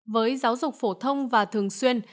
với giáo dục phổ thông và thường xuyên